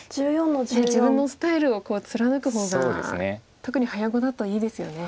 やはり自分のスタイルを貫く方が特に早碁だといいですよね。